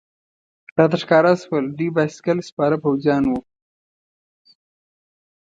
راته ښکاره شول، دوی بایسکل سپاره پوځیان و.